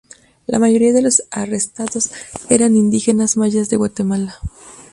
La mayoría de los arrestados eran indígenas mayas de Guatemala.